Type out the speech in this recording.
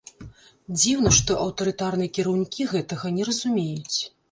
Дзіўна, што аўтарытарныя кіраўнікі гэтага не разумеюць.